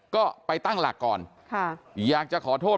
ก็ไปตั้งหลักก่อนอยากจะขอโทษ